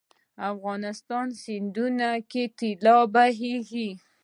افغانستان سیندونو کې طلا بهیږي 😱